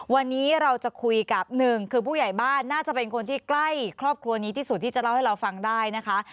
วันนี้เราจะคุยกับหนึ่งคือผู้ใหญ่บ้านน่าจะเป็นคนที่ใกล้ครอบครัวนี้ที่สุดที่จะเล่าให้เราฟังได้นะคะ